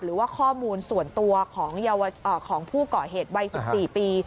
หรือว่าข้อมูลส่วนตัวของผู้ก่อเหตุวัย๑๔ปี